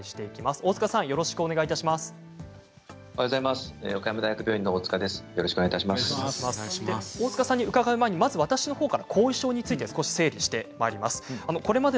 大塚さんに伺う前にまず私のほうから後遺症について整理してまいります。